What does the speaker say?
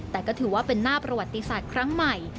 แต่ก็ถือว่าเป็นหน้าประวัติศาสตร์ครั้งใหม่